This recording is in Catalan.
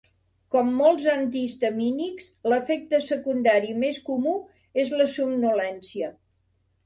Com molts antihistamínics, l'efecte secundari més comú és la somnolència.